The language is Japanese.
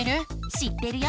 知ってるよ！